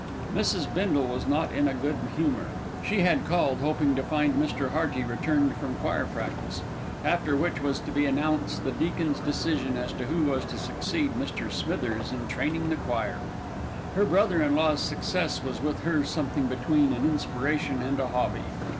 Mrs. Bindle was not in a good humour. She had called hoping to find Mr. Hearty returned from choir practice, after which was to be announced the deacons' decision as to who was to succeed Mr. Smithers in training the choir. Her brother in law's success was with her something between an inspiration and a hobby.